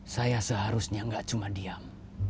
saya seharusnya enggak cuma diam